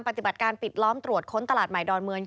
ปฏิบัติการปิดล้อมตรวจค้นตลาดใหม่ดอนเมือง